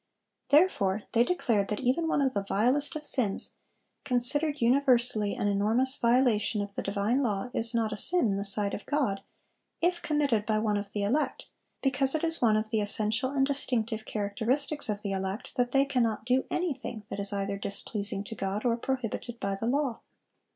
(377) Therefore, they declared that even one of the vilest of sins, "considered universally an enormous violation of the divine law, is not a sin in the sight of God," if committed by one of the elect, "because it is one of the essential and distinctive characteristics of the elect, that they cannot do anything that is either displeasing to God or prohibited by the law."